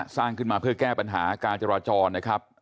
สร้างขึ้นมาเพื่อแก้ปัญหาการจราจรนะครับ